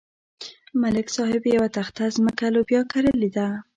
ملک صاحب یوه تخته ځمکه لوبیا کرلې ده.